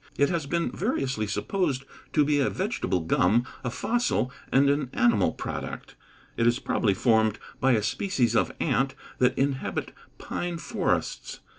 It has been variously supposed to be a vegetable gum, a fossil, and an animal product. It is probably formed by a species of ant that inhabit pine forests.